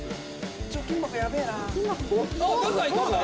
貯金箱やべえな。